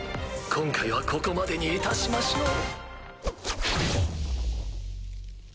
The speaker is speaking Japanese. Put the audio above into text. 今回はここまでにいたしましょう。